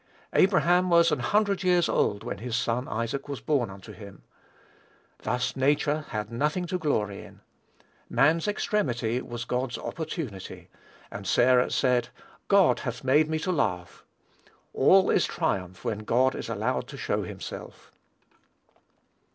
"Abraham was an hundred years old when his son Isaac was born unto him." Thus nature had nothing to glory in. "Man's extremity was God's opportunity;" and Sarah said, "God hath made me to laugh." All is triumph when God is allowed to show himself.